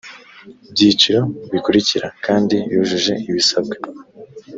byiciro bikurikira kandi yujuje ibisabwa